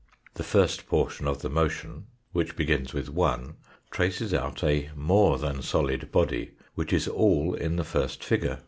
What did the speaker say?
The first por tion of the motion, which begins with 1, traces out a more than solid body, which is all in the first figure.